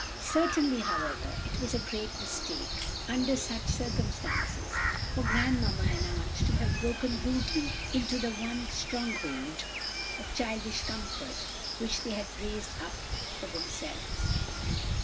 Certainly, however, it was a great mistake, under such circumstances, for grandmamma and aunt to have broken rudely into the one stronghold of childish comfort, which they had raised up for themselves."